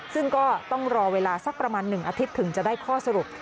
ซึ่งก็ต้องรอเวลาสักประมาณ๑อาทิตย์ถึงจะได้ข้อสรุป